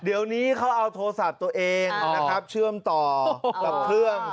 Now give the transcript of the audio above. เดี๋ยวนี้เขาเอาโทรศัพท์ตัวเองนะครับเชื่อมต่อกับเครื่อง